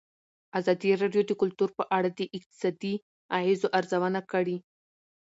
ازادي راډیو د کلتور په اړه د اقتصادي اغېزو ارزونه کړې.